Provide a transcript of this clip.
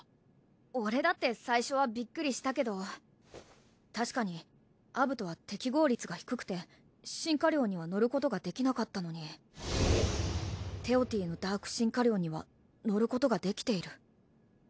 俺だって最初はビックリしたけど確かにアブトは適合率が低くてシンカリオンには乗ることができなかったのにテオティのダークシンカリオンには乗ることができている。